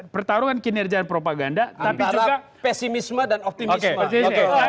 pertarungan kinerja dan propaganda tapi juga pesimisme dan optimisme